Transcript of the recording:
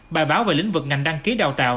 bài báo về lĩnh vực ngành đăng ký đào tạo